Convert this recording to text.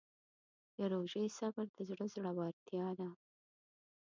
د روژې صبر د زړه زړورتیا ده.